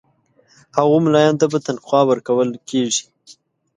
هغو مُلایانو ته به تنخوا ورکوله کیږي.